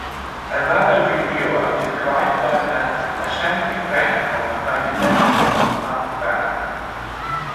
Another reviewer described them as "a shambling wreck of a psychedelic post-punk band".